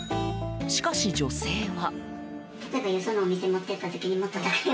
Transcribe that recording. しかし、女性は。